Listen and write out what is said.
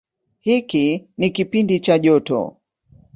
Hiki ni kipindi cha joto.